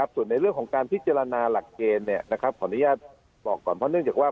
ส่วนในเรื่องของการพิจารณาหลักเกณฑ์ขออนุญาตบอกก่อนเพราะเนื่องจากว่า